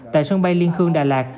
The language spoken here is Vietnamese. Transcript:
tại sân bay liên khương đà lạt